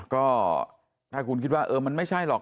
ก็ถ้าคุณคิดว่ามันไม่ใช่หรอก